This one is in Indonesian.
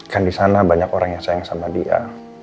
kan di sana banyak orang yang sayang sama dia